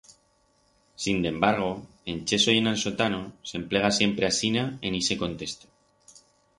Sindembargo, en cheso y en ansotano s'emplega siempre asina en ixe contexto.